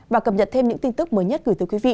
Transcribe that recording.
và cập nhật thêm những tin tức mới nhất gửi tới quý vị